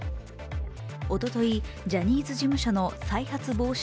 おととい、ジャニーズ事務所の再発防止